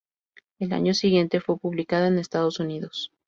Al año siguiente fue publicado en Estados Unidos.